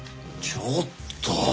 ちょっと！